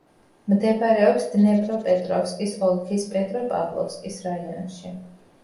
მდებარეობს დნეპროპეტროვსკის ოლქის პეტროპავლოვკის რაიონში.